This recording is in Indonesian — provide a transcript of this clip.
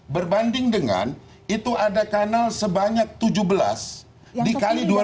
berbanding dengan itu ada kanal sebanyak tujuh belas dikali dua belas